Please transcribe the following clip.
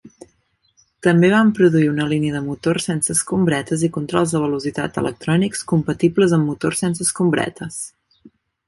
També van produir una línia de motors sense escombretes i controls de velocitat electrònics compatibles amb motors sense escombretes.